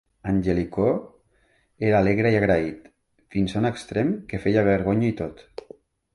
En Jellicoe era alegre i agraït, fins un extrem que feia vergonya i tot.